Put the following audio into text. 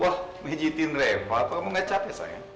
wah bijutin reva kamu gak capek sayang